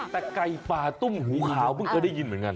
แต่ไก่ป่าตุ้มหูขาวเพิ่งเคยได้ยินเหมือนกัน